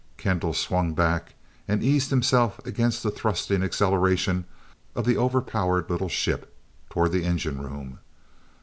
Kendall swung back, and eased himself against the thrusting acceleration of the over powered little ship, toward the engine room.